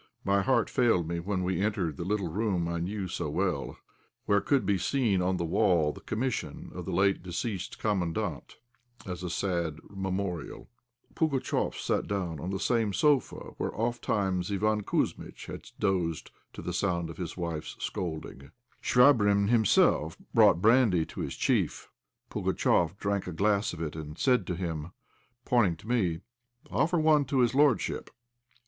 My heart failed me when we entered the little room I knew so well, where could still be seen on the wall the commission of the late deceased Commandant, as a sad memorial. Pugatchéf sat down on the same sofa where ofttimes Iván Kouzmitch had dozed to the sound of his wife's scolding. Chvabrine himself brought brandy to his chief. Pugatchéf drank a glass of it, and said to him, pointing to me "Offer one to his lordship."